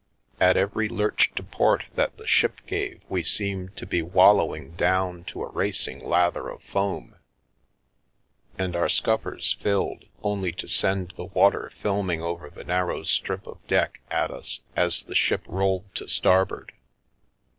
At every lurch to port that the ship gave, we seemed to be wallowing down to a racing lather of foam, and our scuppers filled, only to send the water filming over the narrow strip of deck at us as the ship rolled to starboard.